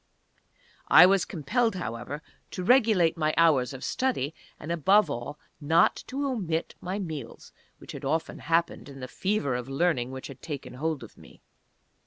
I was compelled, however, to regulate my hours of study, and above all not to omit my meals, which had often happened in the fever of learning which had taken hold of me.